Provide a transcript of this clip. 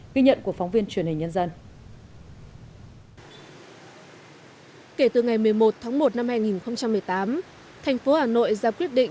ghi nhận của phóng viên truyền hình nhân dân